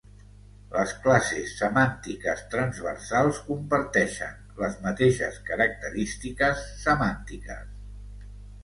Les classes semàntiques transversals comparteixen les mateixes característiques semàntiques.